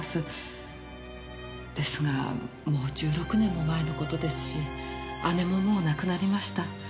ですがもう１６年も前の事ですし姉ももう亡くなりました。